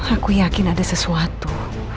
aku yakin ada sesuatu